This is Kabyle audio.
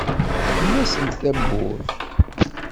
Mel-asent tawwurt.